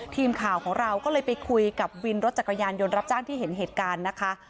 ทีมข่าวของเราก็เลยไปคุยกับวินรถจักรยานยนต์รับจ้างที่เห็นเหตุการณ์นะคะ